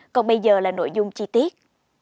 còn bây giờ là nội dung chi tiết